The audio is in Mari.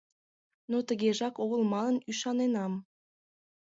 Но тыгежак огыл манын ӱшаненам.